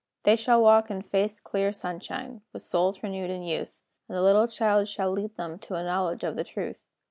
"They shall walk in Faith's clear sunshine, With souls renewed in youth, And the little child shall lead them To a knowledge of the truth.